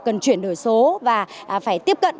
cần chuyển đổi số và phải tiếp cận